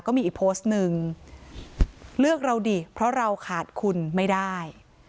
ก็มีอีกโพสต์หนึ่งเลือกเราดิเพราะเราขาดคุณไม่ได้